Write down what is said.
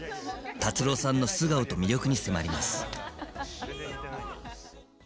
達郎さんの素顔と魅力に迫ります！